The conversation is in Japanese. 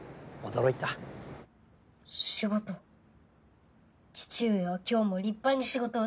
父上は今日も立派に仕事をしていた。